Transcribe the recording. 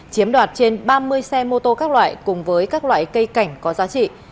chiếm đoạt trên ba mươi xe mô tô các loại cùng với các loại cây cảnh có giá trị